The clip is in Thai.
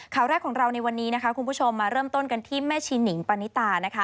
ข่าวแรกของเราในวันนี้นะคะคุณผู้ชมมาเริ่มต้นกันที่แม่ชีนิงปานิตานะคะ